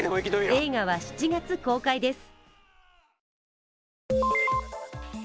映画は７月公開です。